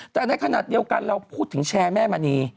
แต่ในขณะเดียวกันเราพูดถึงแชร์แม่มณี